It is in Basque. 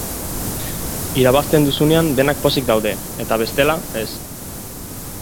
Irabazten duzunean denak pozik daude, eta bestela, ez.